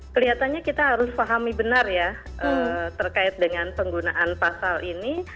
kelihatannya kita harus pahami benar ya terkait dengan penggunaan pasal ini